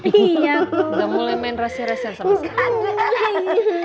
gak mulai main rahasia rahasian sama sama